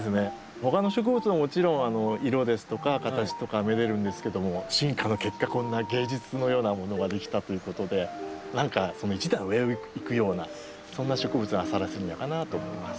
他の植物ももちろん色ですとか形とかめでるんですけども進化の結果こんな芸術のようなものができたということでその一段上をいくようなそんな植物がサラセニアかなと思います。